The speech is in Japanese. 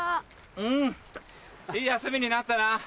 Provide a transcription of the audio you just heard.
うんいい休みになったな。